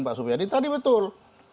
pak supiadi tadi betul